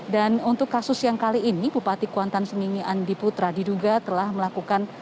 dan untuk kasus yang kali ini bupati kuantan sengingi andi putra diduga telah melakukan